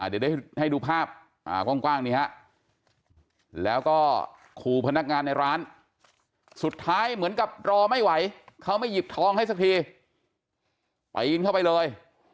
เดี๋ยวได้ให้ดูภาพกว้างนี้ฮะแล้วก็ขู่พนักงานในร้านสุดท้ายเหมือนกับรอไม่ไหวเขาไม่หยิบทองให้สักทีปีนเข้าไปเลย